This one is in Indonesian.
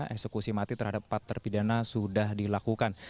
eksekusi mati terhadap empat terpidana sudah dilakukan